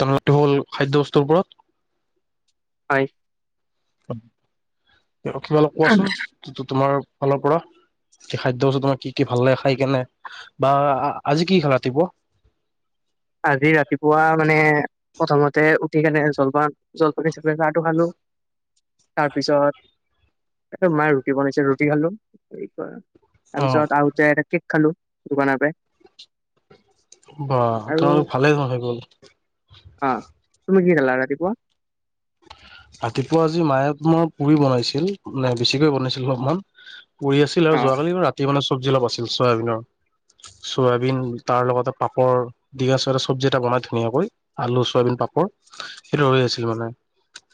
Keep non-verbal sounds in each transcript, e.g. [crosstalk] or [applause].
তেনে হ'ল খাদ্য বস্তুৰ ওপৰত হয়। অখীমালক কোৱাচোন যটো তোমাৰ ফালৰ পৰা স, খাদ্যত তোমাৰ কি, কি ভাল লাগে খাই কেনে বা আজি কি খ ৰাতিপ আজি ৰাতিপুৱা মানে প্ৰথমতে উঠি কেনে জলপান, জলপান জপান গাহটো খালো। তাৰপিছত এই মায়ে ৰুটি বনাইছে ৰুটি খালো কি কয় অ তাৰ পিছত আহোতে এটা কেক খালো দোকানৰ পৰা বাহ আৰু তোমোক ভালেই ন হৈ গ'ল। অ', তুমি কি খালা ৰাতিপুৱা? ৰাতিপুৱা আজি মায়ে তোমাৰ পুৰি বনাইছিল, নাই বেছিকৈ বনাইছিল অলপমান পুৰি আছিল অ আৰু যোৱাকালি ৰাতি মানে চবজি অলপ আছিল চয়াবিনৰ। চয়াবিন তাৰ লগতে পাপৰ। [unintelligible] চৰা চবজি এটা বনাই ধুনীয়াকৈ আলু চয়াবিন পাপৰ সেইটো [unintelligible] আছিল মানে।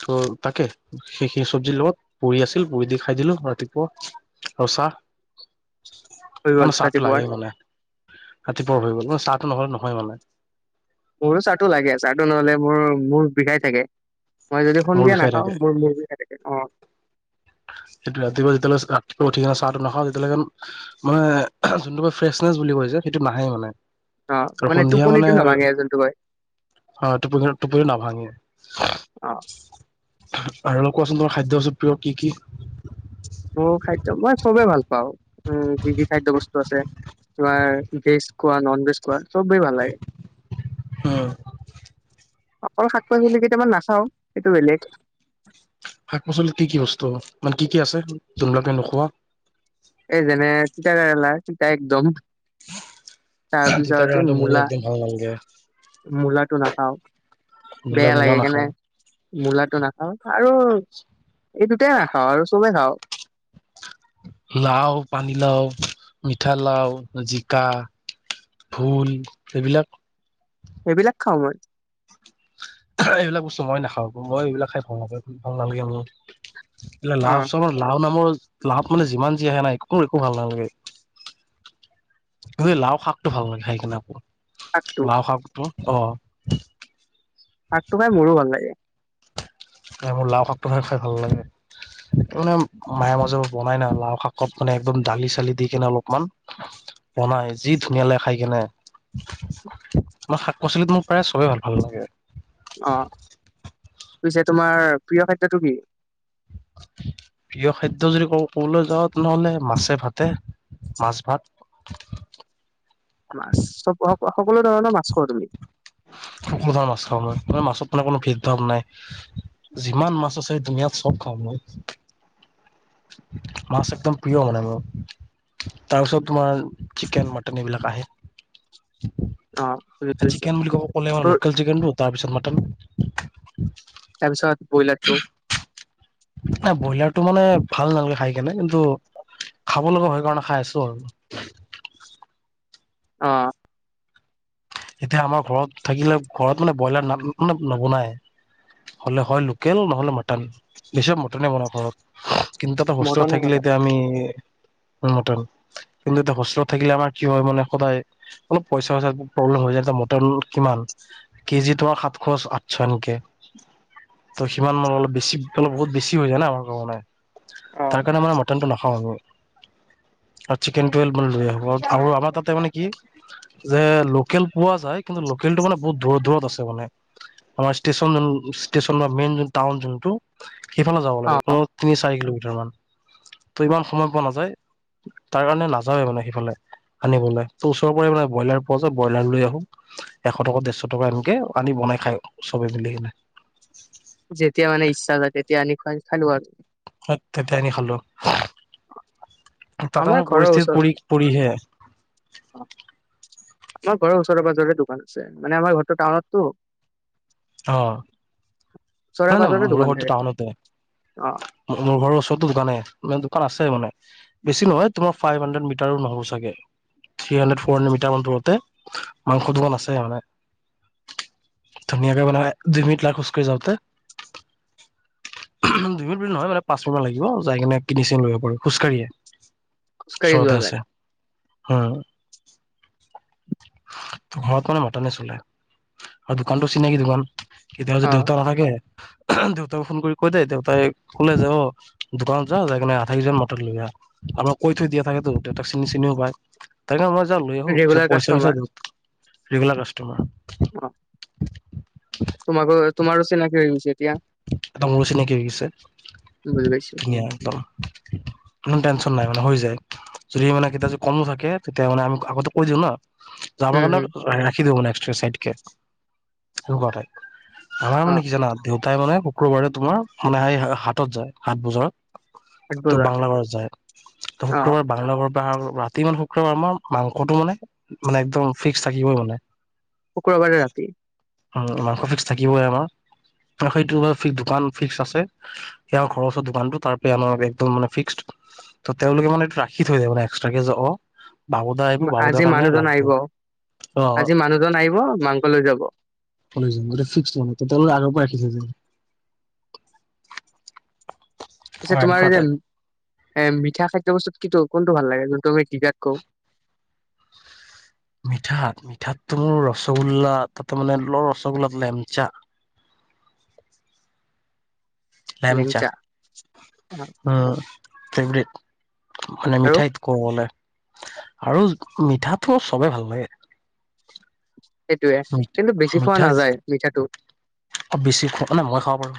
ত' তাকে। সেইখিনি চবজিৰ লগত পুৰি আছিল, পুৰি দি খাই দিলোঁ ৰাতিপুৱা আৰু চাহ। হৈ গ'ল মানে চাহটো ৰাতিপুৱাৰ। লাগেই মানে, ৰাতিপুৱা [unintelligible] চাহটো নহ'লে নহয়ে মানে। মোৰো চাহটো লাগে, চাহটো নহ'লে মোৰ মূৰ বিষাই থাকে। মই যদি মূৰ সন্ধিয়া বিষাই নাখাওঁ থাকে মোৰ মূৰ বিষাই থাকে অ' সেইটোৱে, ৰাতিপুৱা যেতিয়ালৈকে চাহটো উঠি আহি চাহটো নাখাওঁ তেতিয়ালৈকে মানে যোনটো ফ্ৰেচনেচ বুলি কৈছে, সেইটো নাহেই মানে। অ আৰু সন্ধিয়া টোপনিটো মানে নাভাঙে যোনটো কয়। অ', টোপনি, টোপনিটো নাভাঙে। অ'। আৰু কোৱাচোন তোমাৰ খাদ্য বস্তু প্ৰিয় কি, কি? মই খাদ্য মই চবে ভালপাওঁ উম, যি, যি খাদ্য বস্তু আছে। তোমাৰ ভেজ কোৱা, ন'ন ভেজ কোৱা চবেই ভাল লাগে। উম অকল শাক পাচলি কেটামান নাখাওঁ সেইটো বেলেগ। শাক পাচলিত কি, কি বস্তু মানে কি, কি আছে যোনবিলাক তুমি নোখোৱা? এই যেনে তিতাকেৰেলা তিতা একদম। তিতা তাৰপিছত এই কেৰেলাটো মোৰ মূলা। একদম ভাল নালাগে মূলাটো নাখাওঁ, মূলা বেয়া মূলা লাগে কেনে। নাখাওঁ মূলাটো নাখাওঁ আৰু এই দুটাই নাখাওঁ আৰু চবেই খাওঁ। লাও, পানীলাও, মিঠালাও, জিকা। ভোল এইবিলাক? সেইবিলাক খাওঁ মই। এইবিলাক বস্তু মই নাখাওঁ, মই এইবিলাক খাই ভাল [unintelligible] ভাল নালাগে মোৰ। অ লাও চা লাও নামৰ লাও মানে যিমান যি আহে নাই একো মোৰ একো ভাল নালাগে। এই লাও শাকটো ভাললাগে খাই কিনে আকৌ শাকটো লাও শাকটো অ'। শাকটো খাই মোৰো ভাল লাগে। নাই মোৰ লাও শাকটো খাই ভাল [unintelligible] মানে মায়ে মাজে বনাই ন লাও শাকত মানে একদম দালি চালি দি কেনে অলপমান বনাই যি ধুনীয়া লাগে খাই কেনে তোমাৰ শাক পাচলিত মোৰ প্ৰায় চবেই ভাল ভাল লাগে অ', পিছে তোমাৰ প্ৰিয় খাদ্যটো কি? প্ৰিয় খাদ্য যদি ক- ক'বলৈ যাওঁ তেনেহ'লে মাছে ভাতে, মাছ ভাত। মাছ, সকলো ধৰণৰ মাছ খোৱা তুমি? সকলো ধৰণৰ মাছ খাওঁ মই, মাছত মানে কোনো ভেদ ভাৱ নাই। যিমান মাছ আছে দুনীয়াত চব খাওঁ মই। মাছ একদম প্ৰিয় মানে মোৰ। তাৰপিছত তোমাৰ চিকেন, মটন এইবিলাক আহে। অ বুজি পাইছো। চিকেন বুলি কব ক'লে লোকেল চিকেনটো তাৰপিছত মটন। তাৰপিছত ব্ৰইলাৰটো। নাই ব্ৰইলাৰটো মানে ভাল নালাগে খাই কেনে, কিন্তু খাব লগা হয়, কাৰণে খাই আছোঁ আৰু। অ'। এতিয়া আমাৰ ঘৰত থাকিলে ঘৰত মানে ব্ৰইলাৰ নাম মানে নবনায়। হ'লে হয়, লোকেল নহ'লে মটন, বেছিভাগ মটনে [unintelligible] ঘৰত। কিন্তু [unintelligible] হোষ্টেলত মটনো থাকিলে খাবা এতিয়া আমি মটন, কিন্তু এতিয়া হোষ্টেলত থাকিলে আমাৰ কি হয়, মানে সদায় অলপ পইচা চইচা প্ৰব্লেম হৈ যায় এতিয়া মটন কিমান কেজি আৰু সাতশ আঠশ এনকে ত' সিমান অলপ বেছি অলপ বহুত বেছি হৈ য়ায় না আমাৰ কাৰনে অ তাৰ কাৰণে আমাৰ মটনটো নাখাওঁ আমি চিকেন টুৱে মানে লৈ আহো আৰু আমাৰ তাতে মানে কি যে লোক কেল পোৱা যায় কিন্তু লোকেলটো মানে বহুত দূৰত দূৰত আছে মানে আমাৰ ষ্টেচন য ষ্টেচন বা মেইন টাউন যোনটো সেইফালে যাব অ লাগে কমেও তিনি চাৰি কিলোমিটাৰ মান ত' ইমান সময় পোৱা নাযায় তাৰ কাৰণে নাযাৱে মানে সেইফালে আনিবলৈ ত ওচৰৰ পৰাৰে মানে ব্ৰইলাৰ পোৱা যা ব্ৰইলাৰ লৈ আহো এশ টকা দেৰশ টকা এনেকে আনি বনাই খাই চবে মিলি কিনে যেতিয়া মানে ইচ্ছা যায় তেতিয়া আনি খা খালো আৰু তেতিয়া আনি খালো তাতে আমাৰ মানে ঘৰৰ পৰিস্থিতিত পৰি পৰিহে ওচৰত অ আমাৰ ঘৰৰ ওচৰে পাজৰে দোকান আছে মানে আমাৰ ঘৰটো টাউনতো অ ওচৰে নাই নাই পাজৰে মোৰো দোকান ঘৰো থাকে টাউনতে অ মোৰ ঘৰৰ ওচৰতো দোকানে মানে দোকান আছে মানে বেছি নহয় তোমাৰ ফাইভ হাণ্ড্ৰেড মিটাৰো নহব ছাগে three hundred four hundred metre মান দূৰতে মাংসৰ দোকান আছে মানে ধুনীয়াকে মানে দুই মিনিট লাগে খোজ কাঢ়ি যাওতে দুই মিনিট বুলি নহয় মানে পাঁচ মিনিটমান লাগিব যাই কিনে কিনি চিনি লৈ আহিব পাৰো খোজকাঢ়িয়ে খোজকাঢ়ি ওচৰতে যোৱা যায় আছে হ ঘৰত মানে মটনে চলে আৰু দোকানটো চিনাকী দোকান কেতিয়াবা যদি অ দেউতা নাথাকে দেউতাকো ফোন কৰি কৈ দিয়ে দেউতাই ক'লে যে অ দোকানত যা যাইকিনে আধাকেজি মটন লৈ আহ আমাৰ কৈ থৈ দিয়া থাকেতো দেউতাক চিনি চিনিও পায় তাকে মই যাও লৈ আহো পিছত ৰেগুলাৰ পইচা চইচা কাষ্টমাৰ দিও ৰেগুলাৰ কাষ্টমাৰ অ [inaudible] তোমাকো তোমাৰো চিনাকি হৈ গৈছে এতিয়া একদম মোৰ চিনাকি হৈ গৈছে বুজি পাইছো ধুনীয়া একদম কোনো টেনচন নাই মানে হৈ যায় যদি মানে কেতিয়াবা যদি কমো থাকে তেতিয়া মানে আমি আগতে কৈ দিওঁ না আমাৰ উম কাৰণে হম ৰাখি দিব ন্ চাইদ কে এনেকুৱাটাইপ আমাৰ অ মানে কি জানা দেউতাই মানে শুক্ৰবাৰে তোমাৰ মানে হা হাটত যায় হাট বজাৰত আঠ তো বজাৰ বাংল বাৰত যায়। ত অ শুক্ৰবাৰ বাংলা ঘৰ পৰা ৰাতি মানে শুক্ৰবাৰ আমাৰাংসটো মানে মানে একদম ফিক্স থাকিবই মানে শুক্ৰবাৰে ৰাতি মাংস ফিক্স থাকিবই আমাৰ সেইটো দোকান ফিক্স আছে সাৰ ঘৰৰ ওচৰত দোকানটো তাৰ পৰা আমাৰে একদম মানে ফিক্সড ত, তেওঁলোকে আনে এইটো ৰাখি থৈ যায়। মানে্সট্ৰাক কে অ, বাবুদা আহিব বাবুদাৰ আজি কাৰণে মানুহজন লাগব আহিব অ আজি মানুহজন আহিব মাংসলৈ যাব। ফ্ আগ ৰাখিছ। পিছে তোমাৰ যে এ মিঠা খাদ্য বস্তুত কিটো কোনটো ভাল লাগে। যোনটো তুমি কগাত ক মিঠাত মিঠাতো মোৰ ৰসগোল্লা তাতে মানে ল ৰসগোল্লাত লেমচা লেমচা লেংচা অ ফেবট মানে আৰু মিঠাই কবলে আৰু মিঠাটো চবে ভাল লাগে। সেইটোয়ে কিন্তু বেছি খোৱা মিঠা নাযায়। মিঠাটো [unintelligible] বেছি খওঁ মে মই খাব পাৰো।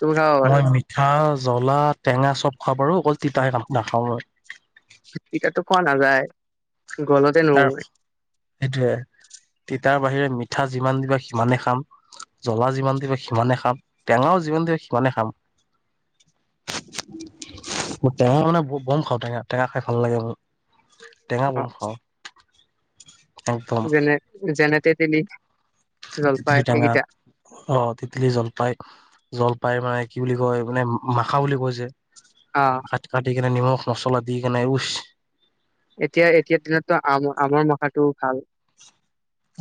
তুমি খাব পাৰা মই মিঠা জ্বলা টেঙা চব খাব পাৰো অকল তিতাহে কাম নাখাও ন ইতিাতো খোৱানা যায়। ত, সেইটোয়ে। তিতাৰ বাহিৰে মিঠা যিমান দিবা সিমানে খাম। জ্বলা যিমান দিব সিমানে খাম। টেঙাও যিমান দিব সিমানে খাম। ম, টেঙা মানে বম খাওঁ টেঙা টেঙা খাই ভাল লাগে মোৰ টেঙা অ বনশা একদম জননত দ নি চতিটঙ অ', তিতিলি জলপাই জলপাই মানে কি বুলি কয় মানে মাখা বুলি কৈছে। অ' ভাত কাটিকনে নিমখ মছলা দি কেনে উচ এতিয়া এতিয়া দিনতো আম আমৰ মখাটোও ভাল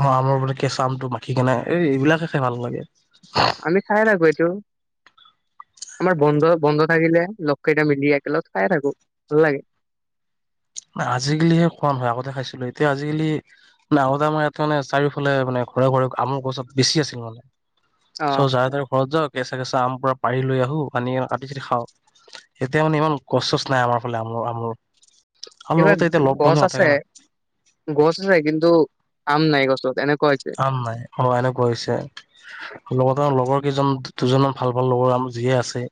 অ', আমৰ মানে কেঁচা আমটো মাখি কেনো এই এইবিলাকে খাই ভাল লাগে। আমি খাই লাগো এইটো আমাৰ বন্ধ বন্ধ থাকিলে। লগ কেইটা মিলি একেলগ খাই থাকো ভাল লাগে। আজিকালিহে খোৱা নহয় আগতে খাইছিলো। এতিয়া আজিকালি নতে আমাৰ ইয়াতে মে চাৰিওফালে মানে ঘৰে ঘৰে আমুৰ গছত বেছি আছিল মানে অ চ যাৰ তাৰ ঘৰত যাওঁ কেঁচা কেঁচা আম পুৰা পাৰি লৈ আহো আনি কাটি চাটি খাওঁ। এতিয়া মানে ইমান কচ চচ নাই আমাৰ ফালে আম আম এইবাৰ গছ আছে না গছ আছে। কিন্তু আম নাই গছত এনেক আ নাই অনে কৈছে লগতম লগৰ কেইজন দুজনমান ভাল ভাল লগৰ যিয়ে আছে।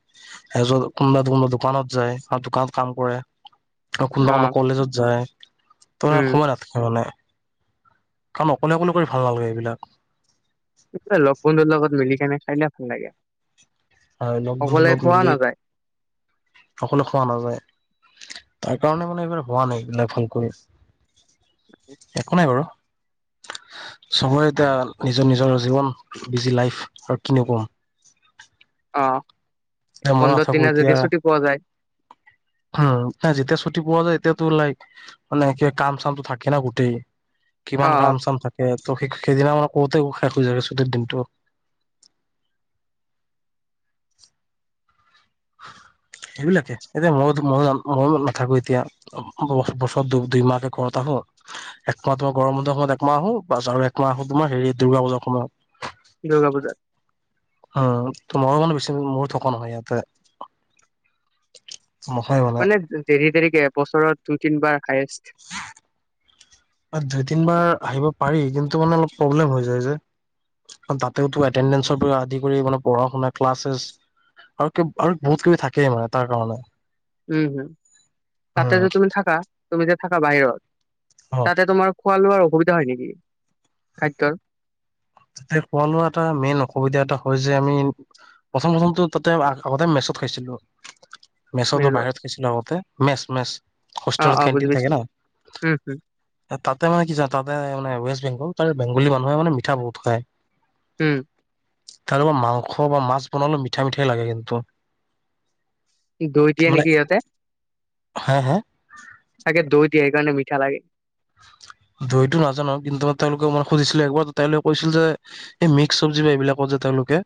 এত কোনোবা কোনোবা দোকানত যায়। আৰু দোকানত কাম কৰে। আৰু কোনোবা অ কোনো কলেজত যায়। তোম উম সময় নাথাকে মানে কাম অকলে অকলে কৰি ভাল নালাগে। এইবিলাক লগ বন্ধুৰ লগত মিলি কেনে খাইলে ভাল লাগে। লগ বন্ধুৰ সকলোৱে লগত খোৱা মিলি নাযায়। অকলে খোৱা নাযায়। তাৰ কাৰণে মানে এইবাৰ হোৱা নাই। এইিলাক ভালক একো নাই বাৰু চবৰে এতিয়া নিজৰ-নিজৰ জীৱন বিজি লাইফ আৰু কিন কম অ', এতিয়া মই পোন্ধৰ নাথাকো দিনা যদি ছুটি পোৱা যায়। উ ন যেতিয়া ছুটি পোৱা যায়। এতিয়াতো লাইক মানে ক কাম চামতো থাকে না গোটেই অ কিমান অ কাম চাম থাকে। ত স সেইদিনা মানে কতে শেষ হৈ যায়ে। ছুটিৰ দিনটো সেইবিলাকে এতিয়া মই মই মইো নাথাকো। এতিয়া বছৰ দুই মাহে কৰা থাক [unintelligible] একমাহ তোমাৰ গৰম বন্ধৰ সময়ত একমাহ আহো, বাচ আৰু একমাহ তোমাৰ হেৰি দুৰ্গা পূজাৰ সময়ত। দুৰ্গা পূজা। অ', অ' ত মইও মানে বেছি দিন, মোৰো থকা নহয় ইয়াতে। মানে দেৰি দেৰিকে এবছৰত দুই তিনিবাৰ হায়েষ্ট। দুই তিন বাৰ আহিব পাৰি কিন্তু মানে অলপ প্ৰব্লেম হৈ যায় যে। তাতেও টো এটেনদেঞ্চচৰ পৰা আদি কৰি অলপ পঢ়া শুনা ক্লাছেছ আৰু আৰু বহুত কিবি থাকেই মানে তাৰ কাৰণে। উম, হম তাতে উম যে তুমি থাকা তুমি যে থাকা বাহিৰত অ তাতে তোমাৰ খোৱা লোৱাৰ অসুবিধা হয় নেকি খাদ্যৰ? তাতে খোৱা লোৱা এটা মেইন অসুবিধা এটা হয় যে আমি প্ৰথম প্ৰথমটো তাতে আগতে মেচত খাইছিলো। মেছতো মেনুত বাহিৰত খাইছিলো আগতে মেছ--মেছ অ হোষ্টেলত অ বুজি কেণ্টিন পাইছো থাকে ন। উম হম তাতে মানে কি জানা, তাতে মানে ৱেষ্ট বেংগল তাৰ বেংগলী মানুহে মানে মিঠা বহুত খায়। উম। তাৰ মাংস বা মাছ বনালে মিঠা মিঠাই লাগে কিন্তু। দৈ দিয়ে নেকি সিহঁতে? হা, হা চাগৈ দৈ দিয়ে সেইকাৰে মিঠা লাগে। দইতো নাজানো কিন্তু মই তেওঁলোকে মই সুধিছিলো একবাৰ তেওঁলোকে কৈছিল যে, এই মিক্স চব্জি বা এইবিলাকত যে তেওঁলোকে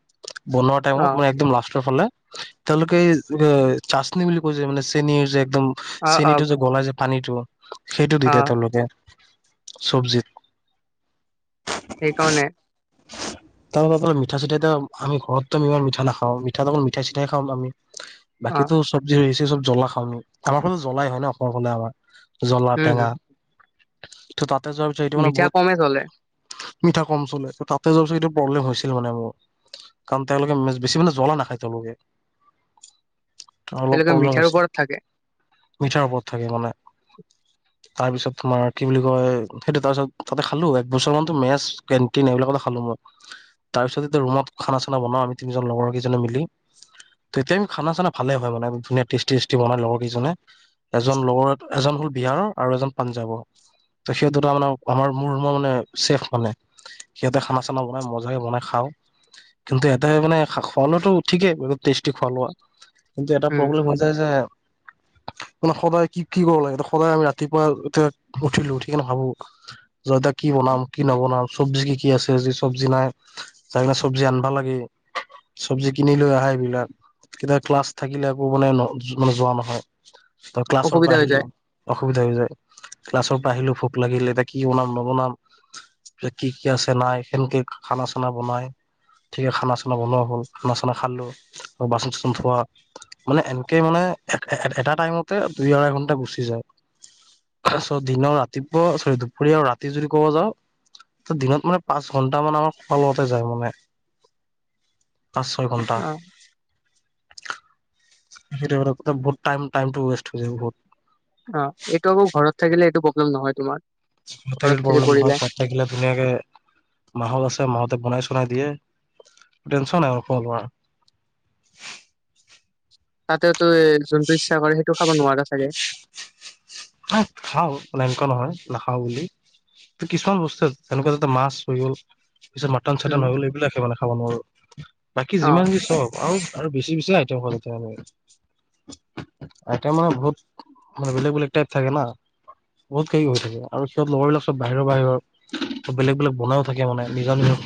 বনোৱা অ টাইমত মানে একদম লাষ্টৰ ফালে, তেওঁলোকে এই চাচনি বুলি কৈছে মানে, চেনীৰ যে একদম অ অ চেনীটো যে গলাই য পানীটো, সেইটো অ দিদিয়ে তেওঁলোকে চব্জিত। সেইকাৰণে, [inaudible] তাৰ মিঠাই চিঠাই আমি ঘৰততো ইমান মিঠা নাখাওঁ। মিঠাটো অকল মিঠাই চিঠাই খাও আমি। অ বাকী তো চব্জি চব জ্বলা খাওঁ। আমাৰ ফালে জ্বলাই হয় ন অসমৰ ফালে আমাৰ জ্বলা উম হম টেঙা। ত তাতে যোৱাৰ পিছত সেইটো মানে মিঠা কমে চলে বহুত, মিঠা কম চলে তাতে যাব প্ৰব্লেম হৈছিল মানে মোৰ। কাৰণ তেওঁলোকে বেছি মানে জ্বলা নাখায় তেওঁলোকে। অলপ তেওঁলোকে প্ৰব্লেম মিঠাৰ হৈছে। ওপৰত থাকে মিঠাৰ ওপৰত থাকে মানে। তাৰপিছত, তোমাৰ কি বুলি কয়, সেইটো তাৰপিছত তাতে খালো একবছৰ মানতো মেচ কেণ্টিন এইবিলাকতে খালো মই। তাৰপিছত এতিয়া ৰুমত খানা চানা বনাও আমি তিনিজন লগৰকেইজনে মিলি। ততিয়া আমি খানা চানা ভালেই হয় মানে, ধুনীয়া টেষ্টি চেষ্টি বনাই লগৰ কিজনে। এজন লগৰ এজন হল বিহাৰৰ আৰু এজন, পাঞ্জাবৰ। সিহঁত দুটা মানে আমাৰ মোৰ মানে ছেফ মানে। সিহঁতে খানা চানা বনাই মজাকে বনাই খাওঁ। কিন্তু এটাই মানে খোৱা লোৱাটো ঠিকেই বহুত টেষ্টি খোৱা লোৱা। কিন্তু এটা উম প্ৰব্লেম হৈ যায় যে মানে সদায় কি কি কৰিব লাগে সদায় আমি ৰাতিপুৱা, উঠিলো উঠিকনে ভাবো, এতিয়া কি বনাম কি নবনাম, চবজি কি কি আছেি চব্জি নাই। যাই কেনে চব্জি আনবা লাগে, চব্জি কিনি লৈ আহা এইবিলাক। কেতিয়াবা ক্লাছ থাকিলে আকৌ মানে যোৱা নহয়। ক্লাছৰ পৰা অসুবিধা হৈ যায় আহিলেও অসুবিধা হৈ যায়। ক্লাছৰ পৰা আহিলো ভোক লাগিলে এতিয়া কি বনাম নবনাম। কি, কি, আছে নাই সেনেকে খানা চানা বনাই, ঠিকে খানা চানা বনোৱা হ'ল খানা চানা খালো আৰু বাচন--চাচন ধোৱা, মানে এনেকে মানে এটা টাইমতে দুই আঢ়াই ঘন্টা গুচি যায়। দিনৰ ৰাতিপুৱা চৰি দুপৰীয়া ৰাতি যদি ক'ব যাওঁ, ত দিনত মানে পাঁ ঘণ্টা মান আমাৰ খোৱাৰ লগতে যায় মানে পাঁচ ছয় ঘণ্টা অ [unintelligible] ৱষ্ট হৈ য বুত অ, এইটো আকৌ ঘৰত থাকিলে এইটো প্ৰব্লেম নহয় তোমাৰ ঘৰত থাকি প্ৰব্লেম নহয় পঢ়িলে চাত থাকিলে ধুনীয়াকে মাহত আছে মাহতে বনাই চনাই দিয়ে টেনশনাই আৰু আৰু তাতেওতো যোনটো ইচ্ছা কৰে সেইটো খাব নোৱাৰা চাগে খাওঁ এনেকুৱা নহয় নাখাওঁ বুলি কিছুমান বস্তু, তেনেকুৱা তাতে মাছ হৈ গ'ল পিছত মাটন চাটন উম হৈ গল এইবিলাকে মানে খাব নোৱাৰো বাকি অ যিমান যি চওক আৰু আৰু বেছি বেছি আইটেম হ আইটম মানে, বহুত মানে বেলেগ বেলেগ টাইপ থাকে ন বহুত খ হৈ থাকে আৰু সিহতৰবাক চব বাহিৰৰ বাহিৰৰ বেলেগ বেলেগ বনাইও থাকে মানে নিজৰ নিজৰ